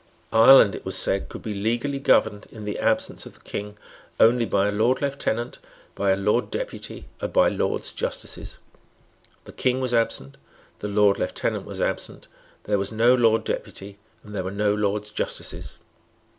Ireland, it was said, could be legally governed, in the absence of the King, only by a Lord Lieutenant, by a Lord Deputy or by Lords Justices. The King was absent. The Lord Lieutenant was absent. There was no Lord Deputy. There were no Lords Justices.